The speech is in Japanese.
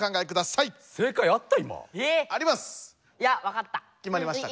いやわかった。